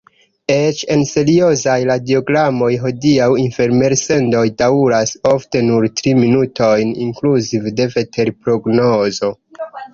Eĉ en seriozaj radioprogramoj hodiaŭ informelsendoj daŭras ofte nur tri minutojn, inkluzive de veterprognozo.